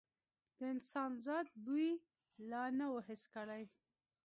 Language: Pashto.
د انسان ذات بوی لا نه و حس کړی.